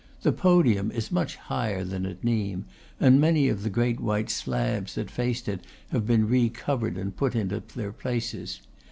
The podium is much higher than at Nimes, and many of the great white slabs that faced it have been recovered and put into their places.